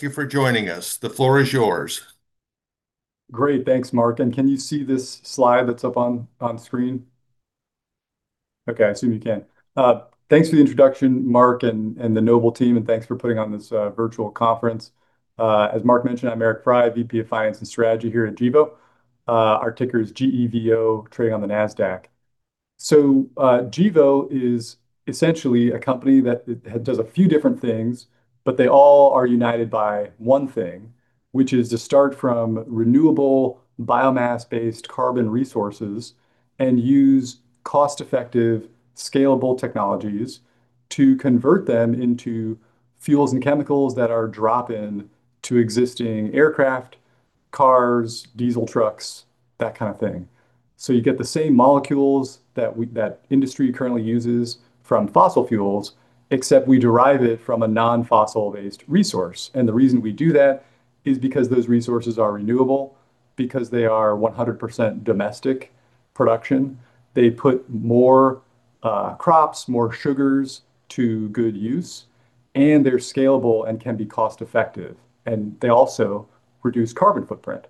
Thank you for joining us. The floor is yours. Great. Thanks, Mark, and can you see this slide that's up on screen? Okay, I assume you can. Thanks for the introduction, Mark, and the Noble team, and thanks for putting on this virtual conference. As Mark mentioned, I'm Eric Frey, VP of Finance and Strategy here at Gevo. Our ticker is GEVO, trading on the Nasdaq. So, Gevo is essentially a company that—it does a few different things, but they all are united by one thing, which is to start from renewable biomass-based carbon resources and use cost-effective, scalable technologies to convert them into fuels and chemicals that are drop-in to existing aircraft, cars, diesel trucks, that kind of thing. So you get the same molecules that we—that industry currently uses from fossil fuels, except we derive it from a non-fossil-based resource. The reason we do that is because those resources are renewable, because they are 100% domestic production, they put more crops, more sugars to good use, and they're scalable and can be cost-effective, and they also reduce carbon footprint.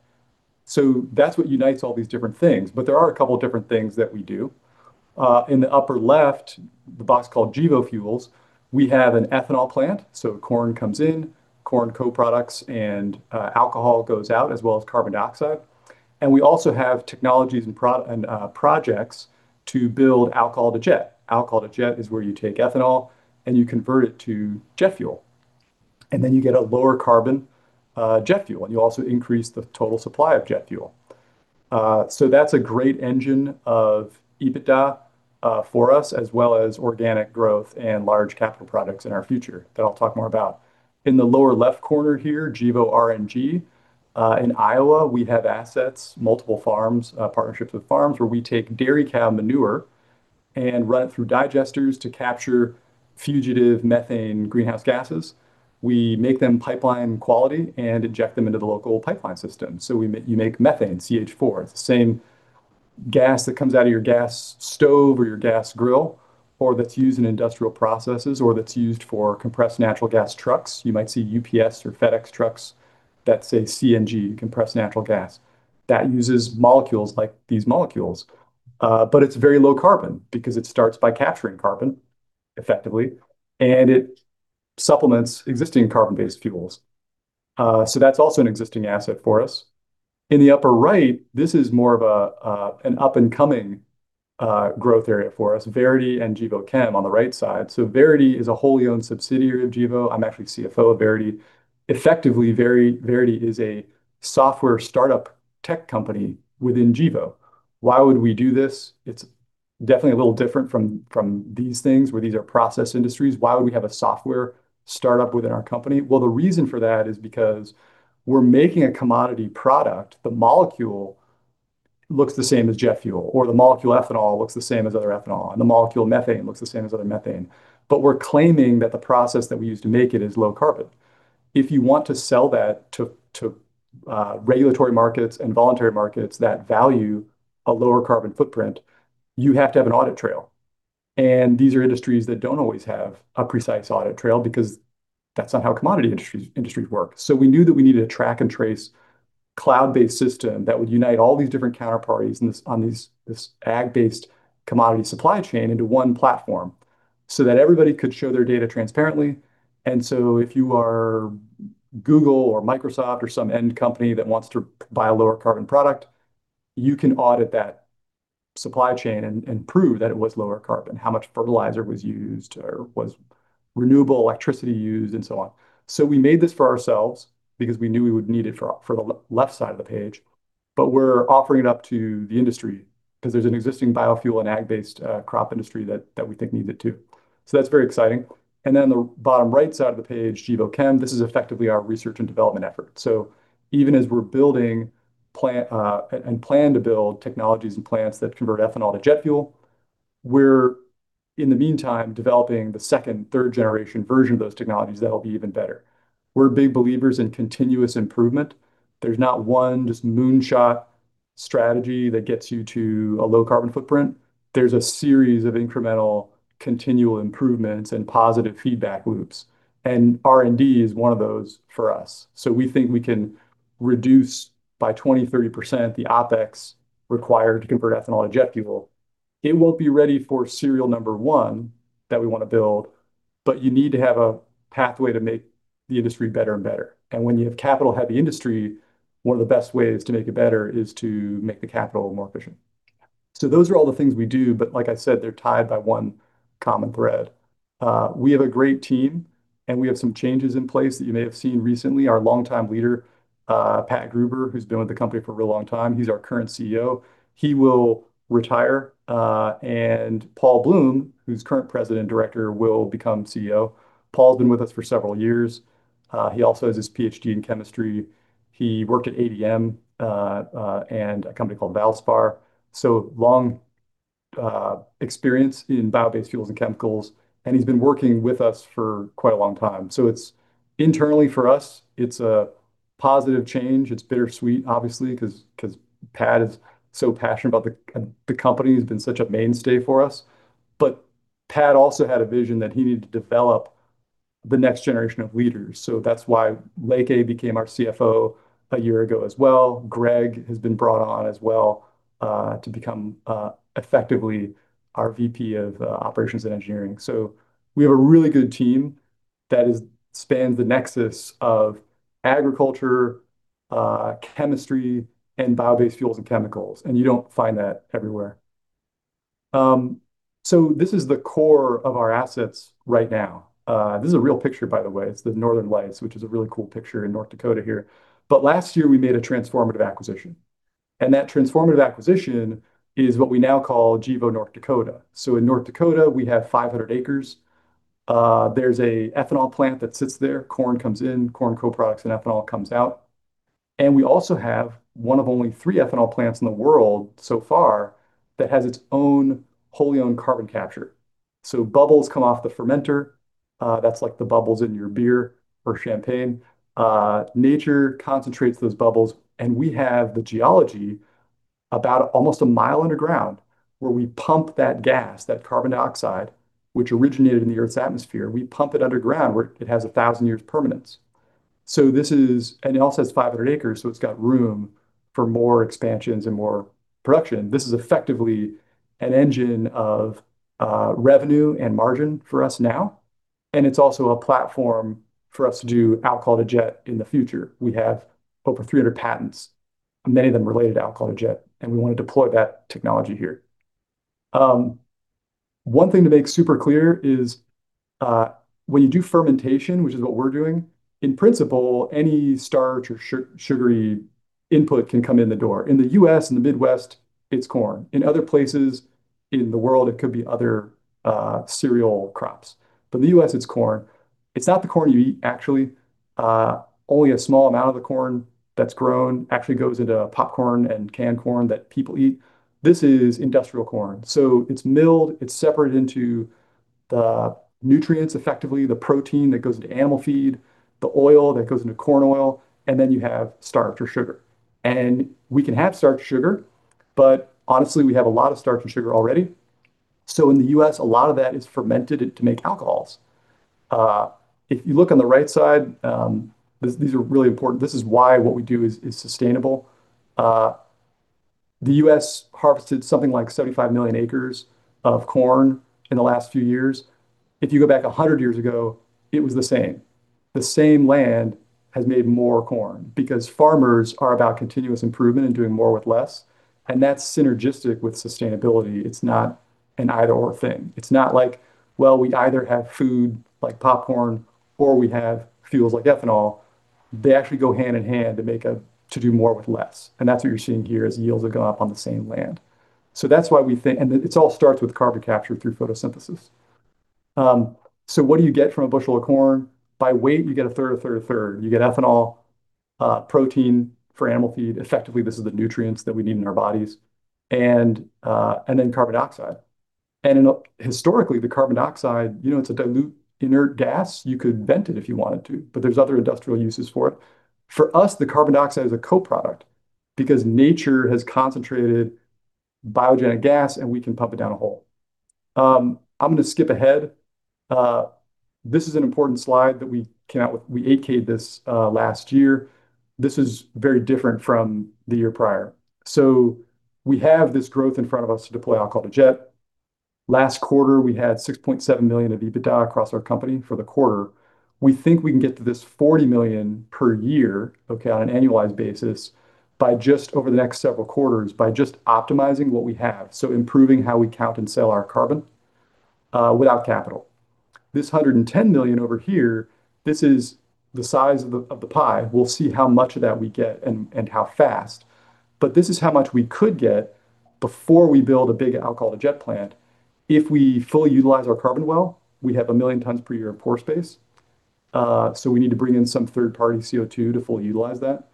That's what unites all these different things. But there are a couple of different things that we do. In the upper left, the box called Gevo Fuels, we have an ethanol plant, so corn comes in, corn co-products, and alcohol goes out, as well as carbon dioxide. And we also have technologies and projects to build alcohol-to-jet. Alcohol-to-jet is where you take ethanol, and you convert it to jet fuel, and then you get a lower carbon jet fuel, and you also increase the total supply of jet fuel. So that's a great engine of EBITDA, for us, as well as organic growth and large capital products in our future that I'll talk more about. In the lower left corner here, Gevo RNG, in Iowa, we have assets, multiple farms, partnerships with farms, where we take dairy cow manure and run it through digesters to capture fugitive methane greenhouse gases. We make them pipeline quality and inject them into the local pipeline system. So we ma-- you make methane, CH4. It's the same gas that comes out of your gas stove or your gas grill, or that's used in industrial processes, or that's used for compressed natural gas trucks. You might see UPS or FedEx trucks that say CNG, compressed natural gas. That uses molecules like these molecules, but it's very low carbon because it starts by capturing carbon effectively, and it supplements existing carbon-based fuels. So that's also an existing asset for us. In the upper right, this is more of an up-and-coming growth area for us, Verity and Gevo Chem on the right side. So Verity is a wholly owned subsidiary of Gevo. I'm actually CFO of Verity. Effectively, Verity is a software start-up tech company within Gevo. Why would we do this? It's definitely a little different from these things, where these are process industries. Why would we have a software start-up within our company? Well, the reason for that is because we're making a commodity product. The molecule looks the same as jet fuel, or the molecule ethanol looks the same as other ethanol, and the molecule methane looks the same as other methane. But we're claiming that the process that we use to make it is low carbon. If you want to sell that to regulatory markets and voluntary markets that value a lower carbon footprint, you have to have an audit trail. And these are industries that don't always have a precise audit trail because that's not how commodity industries work. So we knew that we needed a track-and-trace cloud-based system that would unite all these different counterparties in this ag-based commodity supply chain into one platform so that everybody could show their data transparently. And so if you are Google or Microsoft or some end company that wants to buy a lower carbon product, you can audit that supply chain and prove that it was lower carbon, how much fertilizer was used, or was renewable electricity used, and so on. So we made this for ourselves because we knew we would need it for the left side of the page, but we're offering it up to the industry because there's an existing biofuel and ag-based crop industry that we think needs it, too. So that's very exciting. And then on the bottom right side of the page, Gevo Chem, this is effectively our research and development effort. So even as we're building plant, and plan to build technologies and plants that convert ethanol to jet fuel, we're, in the meantime, developing the second, third generation version of those technologies that'll be even better. We're big believers in continuous improvement. There's not one just moonshot strategy that gets you to a low carbon footprint. There's a series of incremental, continual improvements and positive feedback loops, and R&D is one of those for us. So we think we can reduce by 20%-30% the OpEx required to convert ethanol to jet fuel. It won't be ready for serial number one that we want to build, but you need to have a pathway to make the industry better and better. And when you have capital-heavy industry, one of the best ways to make it better is to make the capital more efficient. So those are all the things we do, but like I said, they're tied by one common thread. We have a great team, and we have some changes in place that you may have seen recently. Our longtime leader, Pat Gruber, who's been with the company for a really long time, he's our current CEO, he will retire, and Paul Bloom, who's current president director, will become CEO. Paul's been with us for several years. He also has his PhD in chemistry. He worked at ADM, and a company called Valspar, so long experience in bio-based fuels and chemicals, and he's been working with us for quite a long time. So it's... Internally, for us, it's a positive change. It's bittersweet, obviously, 'cause, 'cause Pat is so passionate about the company. He's been such a mainstay for us, but-... Pat also had a vision that he needed to develop the next generation of leaders. So that's why Leke became our CFO a year ago as well. Greg has been brought on as well to become effectively our VP of Operations and Engineering. So we have a really good team that spans the nexus of agriculture, chemistry, and bio-based fuels and chemicals, and you don't find that everywhere. So this is the core of our assets right now. This is a real picture, by the way. It's the Northern Lights, which is a really cool picture in North Dakota here. But last year, we made a transformative acquisition, and that transformative acquisition is what we now call Gevo North Dakota. So in North Dakota, we have 500 acres. There's an ethanol plant that sits there. Corn comes in, corn co-products and ethanol comes out. We also have one of only three ethanol plants in the world so far that has its own wholly owned carbon capture. Bubbles come off the fermenter, that's like the bubbles in your beer or champagne. Nature concentrates those bubbles, and we have the geology about almost a mile underground, where we pump that gas, that carbon dioxide, which originated in the Earth's atmosphere. We pump it underground, where it has 1,000 years permanence. This is, and it also has 500 acres, so it's got room for more expansions and more production. This is effectively an engine of revenue and margin for us now, and it's also a platform for us to do alcohol-to-jet in the future. We have over 300 patents, many of them related to Alcohol-to-Jet, and we want to deploy that technology here. One thing to make super clear is, when you do fermentation, which is what we're doing, in principle, any starch or sugary input can come in the door. In the U.S., in the Midwest, it's corn. In other places in the world, it could be other cereal crops, but in the U.S., it's corn. It's not the corn you eat, actually. Only a small amount of the corn that's grown actually goes into popcorn and canned corn that people eat. This is industrial corn, so it's milled, it's separated into the nutrients, effectively, the protein that goes into animal feed, the oil that goes into corn oil, and then you have starch or sugar. And we can have starch or sugar, but honestly, we have a lot of starch and sugar already. So in the U.S., a lot of that is fermented to make alcohols. If you look on the right side, these are really important. This is why what we do is sustainable. The U.S. harvested something like 75 million acres of corn in the last few years. If you go back 100 years ago, it was the same. The same land has made more corn because farmers are about continuous improvement and doing more with less, and that's synergistic with sustainability. It's not an either/or thing. It's not like, well, we either have food, like popcorn, or we have fuels like ethanol. They actually go hand in hand to do more with less, and that's what you're seeing here, as yields have gone up on the same land. So that's why we think and it all starts with carbon capture through photosynthesis. So what do you get from a bushel of corn? By weight, you get a third, a third, a third. You get ethanol, protein for animal feed. Effectively, this is the nutrients that we need in our bodies, and then carbon dioxide. Historically, the carbon dioxide, you know, it's a dilute, inert gas. You could vent it if you wanted to, but there's other industrial uses for it. For us, the carbon dioxide is a co-product because nature has concentrated biogenic gas, and we can pump it down a hole. I'm gonna skip ahead. This is an important slide that we came out with. We 8-K'd this, last year. This is very different from the year prior. So we have this growth in front of us to deploy alcohol-to-jet. Last quarter, we had $6.7 million of EBITDA across our company for the quarter. We think we can get to this $40 million per year, okay, on an annualized basis, by just over the next several quarters, by just optimizing what we have, so improving how we count and sell our carbon, without capital. This $110 million over here, this is the size of the, of the pie. We'll see how much of that we get and, and how fast, but this is how much we could get before we build a big alcohol-to-jet plant. If we fully utilize our carbon well, we'd have 1 million tons per year of pore space. So we need to bring in some third-party CO2 to fully utilize that.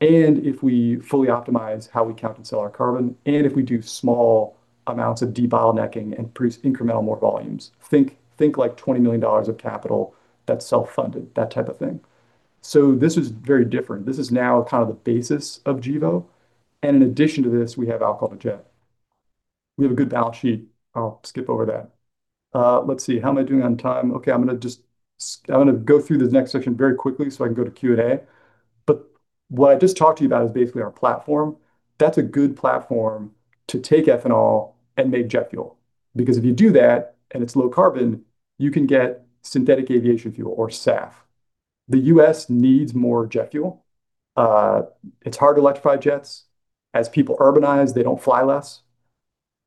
And if we fully optimize how we count and sell our carbon, and if we do small amounts of debottlenecking and produce incremental more volumes, think, think like $20 million of capital that's self-funded, that type of thing. So this is very different. This is now kind of the basis of Gevo, and in addition to this, we have alcohol-to-jet. We have a good balance sheet. I'll skip over that. Let's see. How am I doing on time? Okay, I'm gonna just go through this next section very quickly, so I can go to Q&A. But what I just talked to you about is basically our platform. That's a good platform to take ethanol and make jet fuel, because if you do that, and it's low carbon, you can get synthetic aviation fuel, or SAF. The U.S. needs more jet fuel. It's hard to electrify jets. As people urbanize, they don't fly less.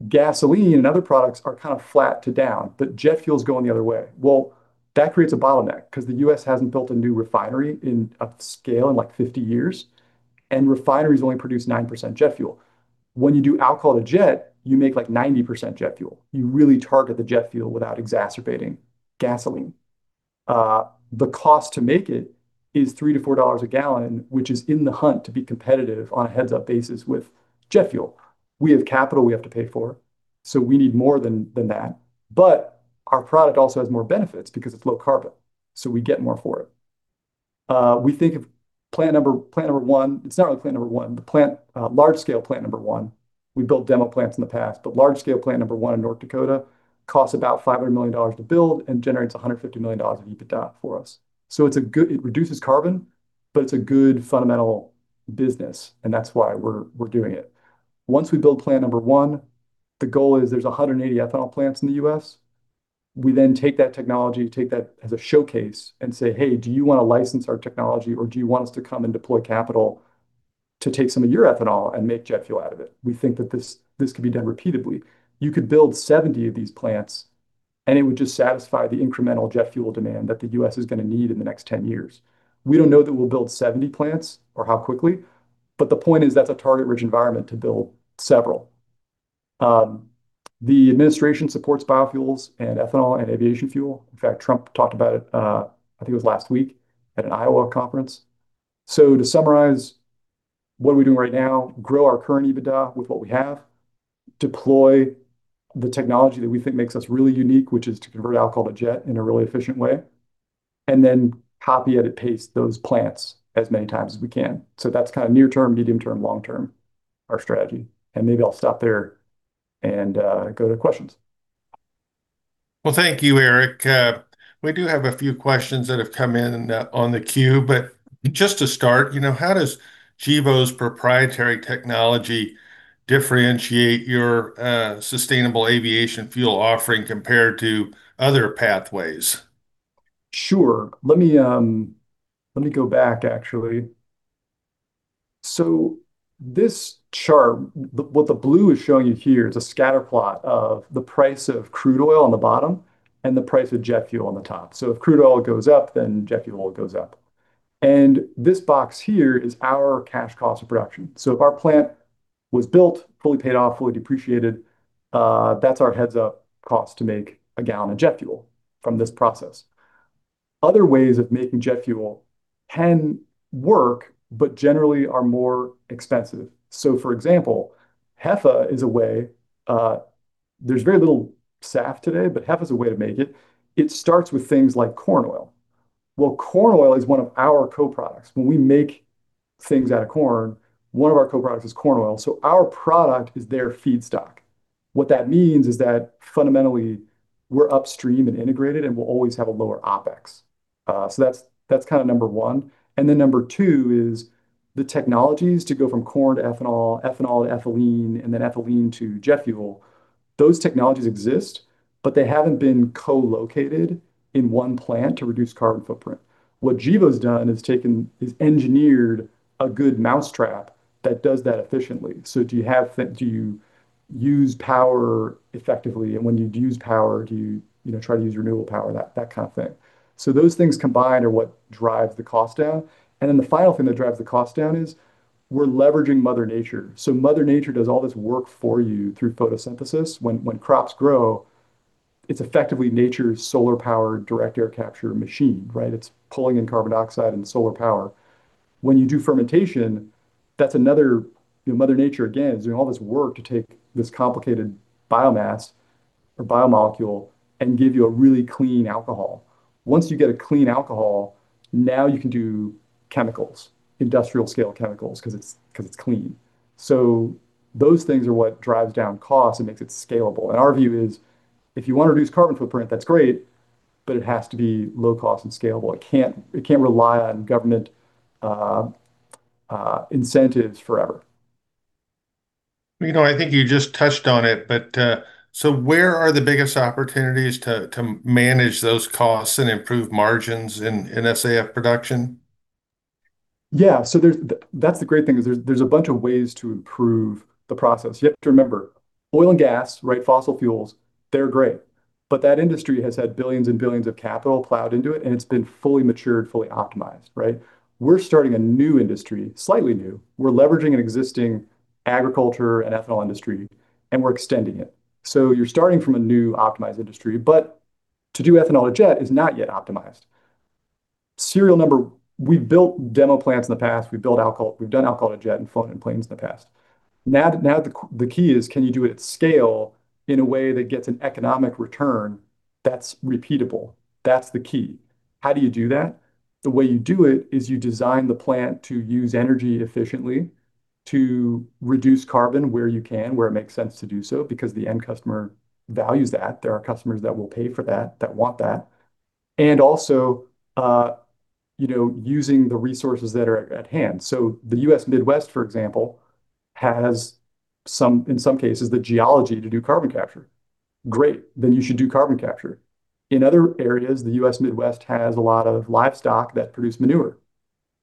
Gasoline and other products are kind of flat to down, but jet fuel is going the other way. Well, that creates a bottleneck because the U.S. hasn't built a new refinery of scale in, like, 50 years, and refineries only produce 9% jet fuel. When you do alcohol-to-jet, you make, like, 90% jet fuel. You really target the jet fuel without exacerbating gasoline. The cost to make it is $3-$4 a gallon, which is in the hunt to be competitive on a heads-up basis with jet fuel. We have capital we have to pay for, so we need more than that. But our product also has more benefits because it's low carbon, so we get more for it... We think of plant number one, it's not really plant number one, the large scale plant number one. We built demo plants in the past, but large scale plant number one in North Dakota costs about $500 million to build and generates $150 million of EBITDA for us. So it's a good, it reduces carbon, but it's a good fundamental business, and that's why we're doing it. Once we build plant number one, the goal is there's 180 ethanol plants in the U.S. We then take that technology, take that as a showcase and say, "Hey, do you wanna license our technology, or do you want us to come and deploy capital to take some of your ethanol and make jet fuel out of it?" We think that this, this can be done repeatedly. You could build 70 of these plants, and it would just satisfy the incremental jet fuel demand that the US is gonna need in the next 10 years. We don't know that we'll build 70 plants or how quickly, but the point is, that's a target-rich environment to build several. The administration supports biofuels and ethanol and aviation fuel. In fact, Trump talked about it, I think it was last week at an Iowa conference. So to summarize, what are we doing right now? Grow our current EBITDA with what we have, deploy the technology that we think makes us really unique, which is to convert alcohol to jet in a really efficient way, and then copy, edit, paste those plants as many times as we can. So that's kind of near term, medium term, long term, our strategy, and maybe I'll stop there and go to questions. Well, thank you, Eric. We do have a few questions that have come in on the queue, but just to start, you know, how does Gevo's proprietary technology differentiate your, sustainable aviation fuel offering compared to other pathways? Sure. Let me, let me go back, actually. So this chart, the what the blue is showing you here is a scatter plot of the price of crude oil on the bottom and the price of jet fuel on the top. So if crude oil goes up, then jet fuel goes up. And this box here is our cash cost of production. So if our plant was built, fully paid off, fully depreciated, that's our cash cost to make a gallon of jet fuel from this process. Other ways of making jet fuel can work, but generally are more expensive. So, for example, HEFA is a way, there's very little SAF today, but HEFA is a way to make it. It starts with things like corn oil. Well, corn oil is one of our co-products. When we make things out of corn, one of our co-products is corn oil, so our product is their feedstock. What that means is that fundamentally, we're upstream and integrated, and we'll always have a lower OpEx. So that's, that's kind of number one. And then number two is the technologies to go from corn to ethanol, ethanol to ethylene, and then ethylene to jet fuel. Those technologies exist, but they haven't been co-located in one plant to reduce carbon footprint. What Gevo's done is engineered a good mousetrap that does that efficiently. So do you have... Do you use power effectively? And when you do use power, do you, you know, try to use renewable power? That, that kind of thing. So those things combined are what drives the cost down. And then the final thing that drives the cost down is we're leveraging Mother Nature. So Mother Nature does all this work for you through photosynthesis. When, when crops grow, it's effectively nature's solar-powered direct air capture machine, right? It's pulling in carbon dioxide and solar power. When you do fermentation, that's another - Mother Nature, again, is doing all this work to take this complicated biomass or biomolecule and give you a really clean alcohol. Once you get a clean alcohol, now you can do chemicals, industrial-scale chemicals, 'cause it's, 'cause it's clean. So those things are what drives down cost and makes it scalable. And our view is, if you wanna reduce carbon footprint, that's great, but it has to be low cost and scalable. It can't, it can't rely on government incentives forever. You know, I think you just touched on it, but so where are the biggest opportunities to, to manage those costs and improve margins in, in SAF production? Yeah, so that's the great thing, is there's a bunch of ways to improve the process. You have to remember, oil and gas, right, fossil fuels, they're great, but that industry has had billions and billions of capital plowed into it, and it's been fully matured, fully optimized, right? We're starting a new industry, slightly new. We're leveraging an existing agriculture and ethanol industry, and we're extending it. So you're starting from a new optimized industry, but to do ethanol to jet is not yet optimized. We've built demo plants in the past. We've done alcohol to jet and flown in planes in the past. Now, the key is, can you do it at scale in a way that gets an economic return that's repeatable? That's the key. How do you do that? The way you do it is you design the plant to use energy efficiently, to reduce carbon where you can, where it makes sense to do so, because the end customer values that. There are customers that will pay for that, that want that. And also, you know, using the resources that are at hand. So the U.S. Midwest, for example, has some, in some cases, the geology to do carbon capture. Great, then you should do carbon capture. In other areas, the U.S. Midwest has a lot of livestock that produce manure.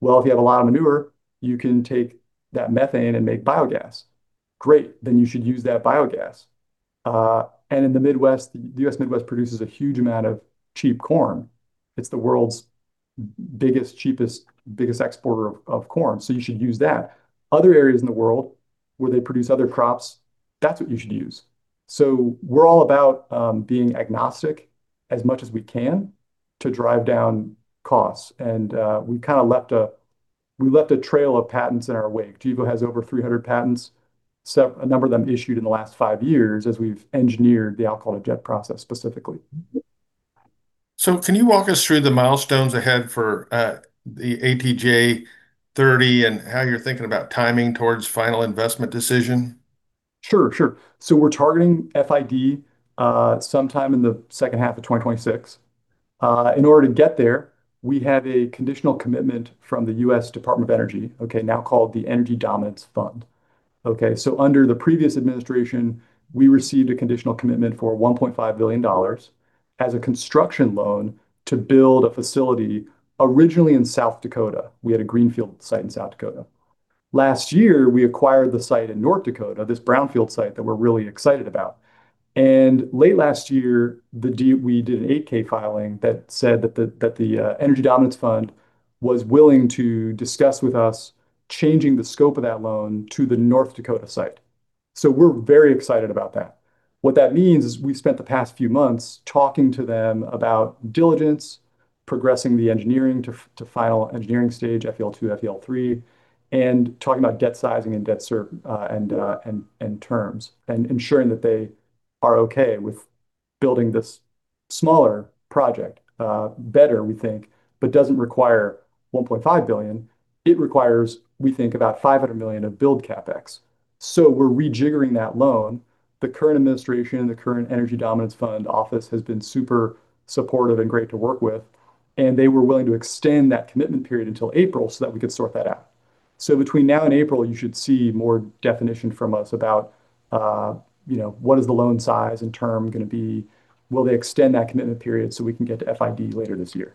Well, if you have a lot of manure, you can take that methane and make biogas. Great, then you should use that biogas. And in the Midwest, the U.S. Midwest produces a huge amount of cheap corn. It's the world's biggest, cheapest, biggest exporter of, of corn, so you should use that. Other areas in the world where they produce other crops, that's what you should use. So we're all about being agnostic as much as we can to drive down costs, and we've kind of left a trail of patents in our wake. Gevo has over 300 patents, a number of them issued in the last five years as we've engineered the alcohol-to-jet process specifically. Can you walk us through the milestones ahead for the ATJ30 and how you're thinking about timing towards final investment decision? Sure, sure. So we're targeting FID sometime in the second half of 2026. In order to get there, we have a conditional commitment from the U.S. Department of Energy, okay, now called the Energy Dominance Fund. Okay, so under the previous administration, we received a conditional commitment for $1.5 billion as a construction loan to build a facility originally in South Dakota. We had a greenfield site in South Dakota. Last year, we acquired the site in North Dakota, this brownfield site that we're really excited about. And late last year, we did an 8-K filing that said that the Energy Dominance Fund was willing to discuss with us changing the scope of that loan to the North Dakota site. So we're very excited about that. What that means is, we've spent the past few months talking to them about diligence, progressing the engineering to final engineering stage, FEL2, FEL3, and talking about debt sizing and debt service terms, and ensuring that they are okay with building this smaller project, better, we think, but doesn't require $1.5 billion. It requires, we think, about $500 million of build CapEx. So we're rejiggering that loan. The current administration and the current Energy Dominance Fund office has been super supportive and great to work with, and they were willing to extend that commitment period until April so that we could sort that out. So between now and April, you should see more definition from us about, you know, what is the loan size and term gonna be? Will they extend that commitment period so we can get to FID later this year?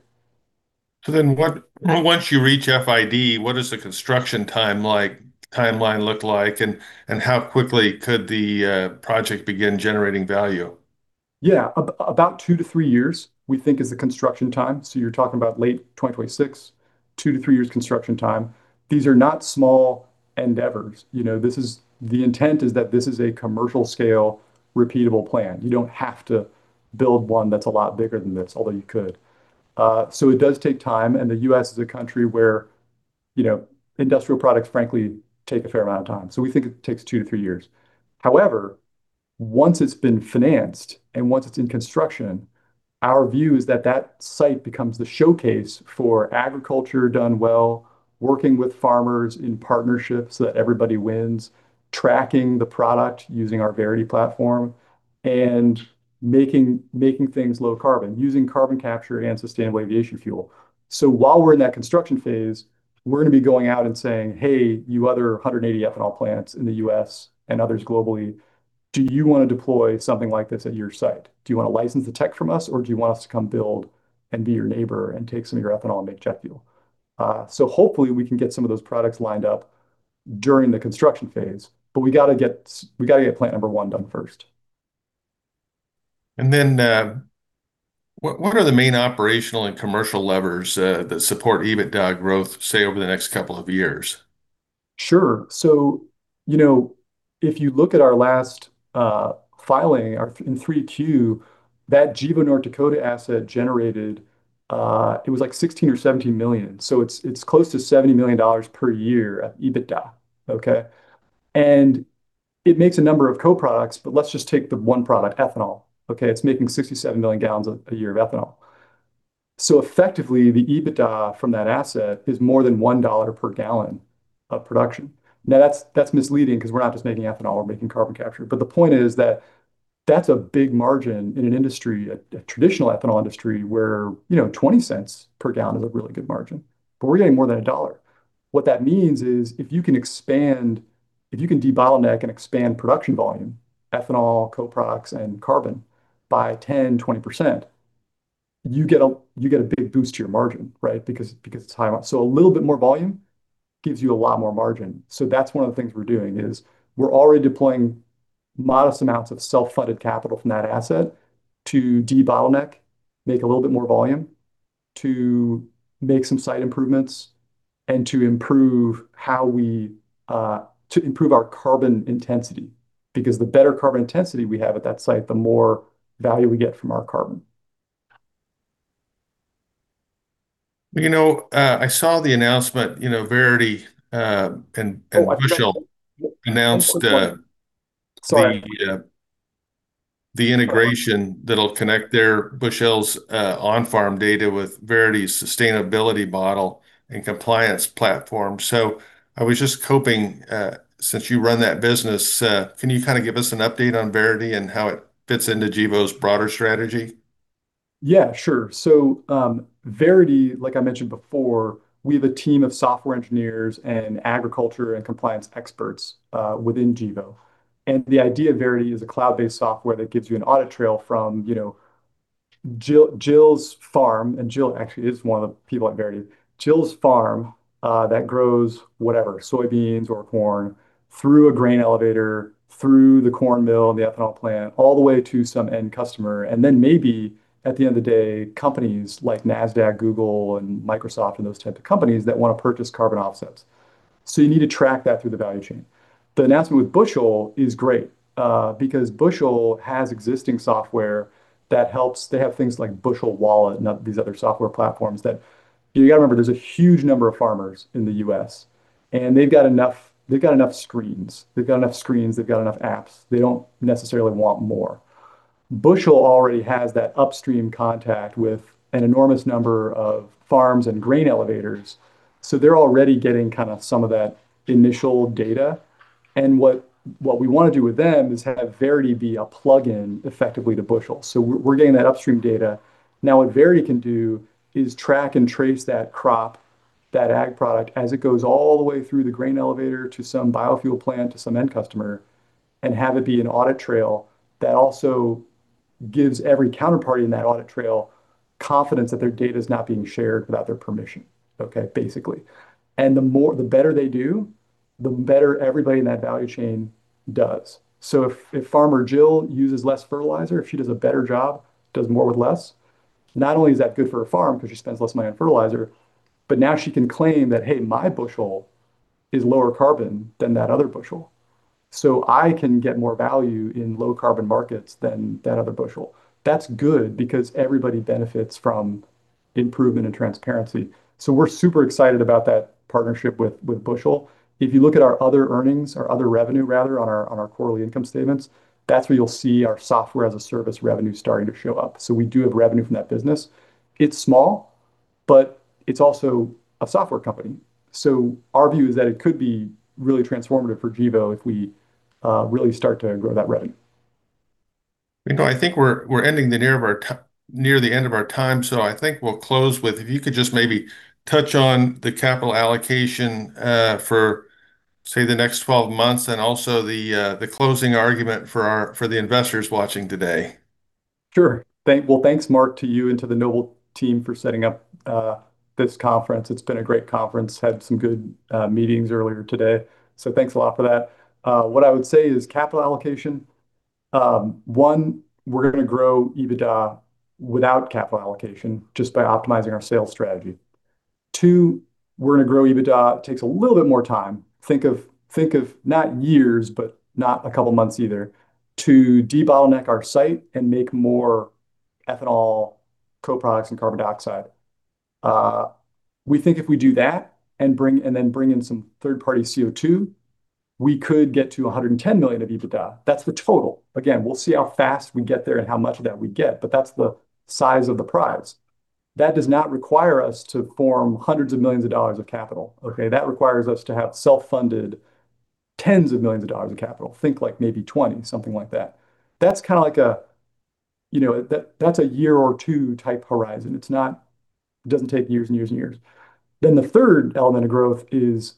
So then, what once you reach FID, what does the construction timeline look like, and how quickly could the project begin generating value? Yeah. About 2-3 years, we think is the construction time. So you're talking about late 2026, 2-3 years construction time. These are not small endeavors. You know, this is... the intent is that this is a commercial-scale, repeatable plan. You don't have to build one that's a lot bigger than this, although you could. So it does take time, and the U.S. is a country where, you know, industrial products, frankly, take a fair amount of time. So we think it takes 2-3 years. However, once it's been financed and once it's in construction, our view is that that site becomes the showcase for agriculture done well, working with farmers in partnerships so that everybody wins, tracking the product using our Verity platform, and making things low carbon, using carbon capture and sustainable aviation fuel. So while we're in that construction phase, we're gonna be going out and saying, "Hey, you other 180 ethanol plants in the U.S. and others globally, do you wanna deploy something like this at your site? Do you wanna license the tech from us, or do you want us to come build and be your neighbor and take some of your ethanol and make jet fuel?" So hopefully, we can get some of those products lined up during the construction phase, but we gotta get plant number one done first. And then, what, what are the main operational and commercial levers that support EBITDA growth, say, over the next couple of years? Sure. So, you know, if you look at our last filing, our in 3Q, that Gevo North Dakota asset generated, it was, like, $16 million or $17 million. So it's close to $70 million per year EBITDA, okay? And it makes a number of co-products, but let's just take the one product, ethanol, okay? It's making 67 million gallons a year of ethanol. So effectively, the EBITDA from that asset is more than $1 per gallon of production. Now, that's misleading 'cause we're not just making ethanol, we're making carbon capture. But the point is that that's a big margin in an industry, a traditional ethanol industry, where, you know, 20 cents per gallon is a really good margin, but we're getting more than a dollar. What that means is, if you can expand, if you can de-bottleneck and expand production volume, ethanol, co-products, and carbon, by 10%-20%, you get a, you get a big boost to your margin, right? Because, because it's high... So a little bit more volume gives you a lot more margin. So that's one of the things we're doing is, we're already deploying modest amounts of self-funded capital from that asset to de-bottleneck, make a little bit more volume, to make some site improvements, and to improve how we, to improve our carbon intensity. Because the better carbon intensity we have at that site, the more value we get from our carbon. You know, I saw the announcement, you know, Verity, and Bushel- Oh, I- announced, Sorry... the integration that'll connect their Bushel's on-farm data with Verity's sustainability model and compliance platform. So I was just hoping, since you run that business, can you kind of give us an update on Verity and how it fits into Gevo's broader strategy? Yeah, sure. So, Verity, like I mentioned before, we have a team of software engineers and agriculture and compliance experts within Gevo. And the idea of Verity is a cloud-based software that gives you an audit trail from, you know, Jill, Jill's farm, and Jill actually is one of the people at Verity. Jill's farm that grows whatever, soybeans or corn, through a grain elevator, through the corn mill and the ethanol plant, all the way to some end customer, and then maybe, at the end of the day, companies like Nasdaq, Google, and Microsoft, and those types of companies that wanna purchase carbon offsets. So you need to track that through the value chain. The announcement with Bushel is great because Bushel has existing software that helps. They have things like Bushel Wallet and these other software platforms that. You gotta remember, there's a huge number of farmers in the U.S., and they've got enough, they've got enough screens. They've got enough screens, they've got enough apps. They don't necessarily want more. Bushel already has that upstream contact with an enormous number of farms and grain elevators, so they're already getting kind of some of that initial data. And what, what we want to do with them is have Verity be a plugin, effectively, to Bushel. So we're, we're getting that upstream data. Now, what Verity can do is track and trace that crop, that ag product, as it goes all the way through the grain elevator to some biofuel plant, to some end customer, and have it be an audit trail that also gives every counterparty in that audit trail confidence that their data is not being shared without their permission, okay, basically. The more, the better they do, the better everybody in that value chain does. So if Farmer Jill uses less fertilizer, if she does a better job, does more with less, not only is that good for her farm because she spends less money on fertilizer, but now she can claim that, "Hey, my bushel is lower carbon than that other bushel. So I can get more value in low-carbon markets than that other bushel." That's good, because everybody benefits from improvement and transparency. So we're super excited about that partnership with Bushel. If you look at our other earnings, or other revenue, rather, on our quarterly income statements, that's where you'll see our software-as-a-service revenue starting to show up. So we do have revenue from that business. It's small, but it's also a software company. So our view is that it could be really transformative for Gevo if we really start to grow that revenue. You know, I think we're ending near the end of our time, so I think we'll close with... If you could just maybe touch on the capital allocation for, say, the next 12 months, and also the closing argument for the investors watching today. Sure. Well, thanks, Mark, to you and to the Noble team for setting up this conference. It's been a great conference. Had some good meetings earlier today, so thanks a lot for that. What I would say is capital allocation, one, we're going to grow EBITDA without capital allocation, just by optimizing our sales strategy. Two, we're going to grow EBITDA. It takes a little bit more time. Think of, think of not years, but not a couple of months either, to de-bottleneck our site and make more ethanol co-products and carbon dioxide. We think if we do that, and then bring in some third-party CO2, we could get to $110 million of EBITDA. That's the total. Again, we'll see how fast we get there and how much of that we get, but that's the size of the prize. That does not require us to form $hundreds of millions of capital, okay? That requires us to have self-funded $tens of millions of capital. Think, like, maybe 20, something like that. That's kind of like a, you know, that, that's a year or two type horizon. It's not. It doesn't take years and years and years. Then the third element of growth is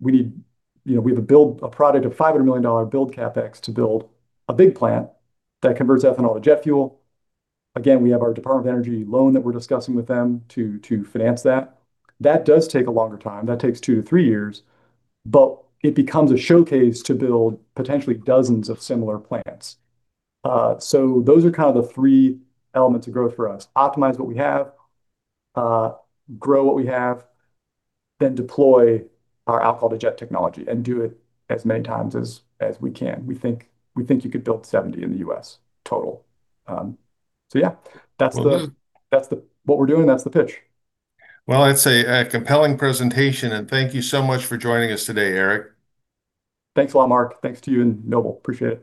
we need. You know, we have to build a product of $500 million build CapEx to build a big plant that converts ethanol to jet fuel. Again, we have our Department of Energy loan that we're discussing with them to, to finance that. That does take a longer time. That takes 2-3 years, but it becomes a showcase to build potentially dozens of similar plants. So those are kind of the three elements of growth for us: optimize what we have, grow what we have, then deploy our Alcohol-to-Jet technology and do it as many times as we can. We think you could build 70 in the U.S., total. So yeah, that's the- Well, good. That's what we're doing. That's the pitch. Well, it's a compelling presentation, and thank you so much for joining us today, Eric. Thanks a lot, Mark. Thanks to you and Noble. Appreciate it.